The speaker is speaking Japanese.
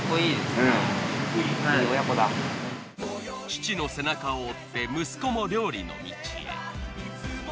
父の背中を追って息子も料理の道へ。